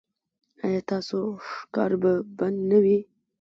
ایا ستاسو ښکار به بند نه وي؟